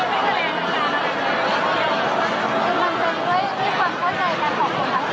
ไม่เอาคำถามอ่ะที่เบลจะฟังใจของมาก